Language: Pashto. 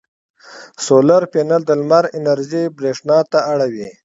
سولر پینل د لمر انرژي برېښنا ته اړوي.